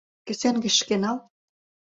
Кӱсен гыч шке нал.